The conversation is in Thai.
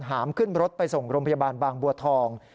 หามขึ้นรถไปส่งโรงพยาบาลบางบัวทอง